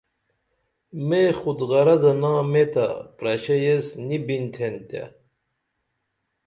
میں خود غرضہ نامے تہ پرشا ایس نی بِنتِھن تے